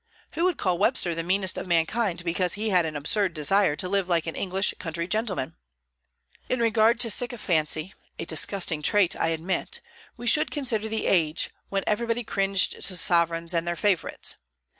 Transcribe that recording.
Who would call Webster the meanest of mankind because he had an absurd desire to live like an English country gentleman? In regard to sycophancy, a disgusting trait, I admit, we should consider the age, when everybody cringed to sovereigns and their favorites.